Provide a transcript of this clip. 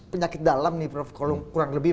penyakit dalam nih prof kalau kurang lebih